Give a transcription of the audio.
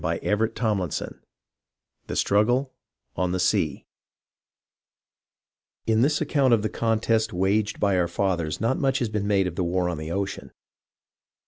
CHAPTER XXXVI THE STRUGGLE ON THE SEA In this account of the contest waged by our fathers not much has been made of the war on the ocean.